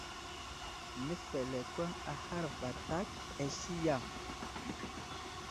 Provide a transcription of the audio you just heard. Nəfelekweŋ ahar vatak asli ya ?